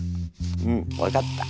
うん分かった。